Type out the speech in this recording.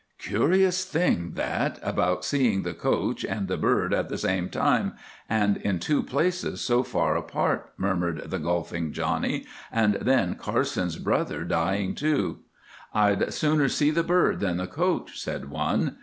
"Curious thing that about seeing the coach and the bird at the same time, and in two places so far apart," murmured the golfing Johnny, "and then Carson's brother dying too." "I'd sooner see the bird than the coach," said one.